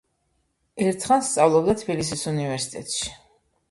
ერთხანს სწავლობდა თბილისის უნივერსიტეტში.